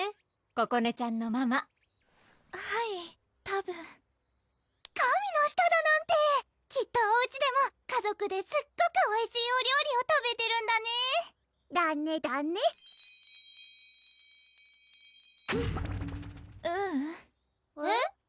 ここねちゃんのママはいたぶん神の舌だなんてきっとおうちでも家族ですっごくおいしいお料理を食べてるんだねだねだねううんえっ？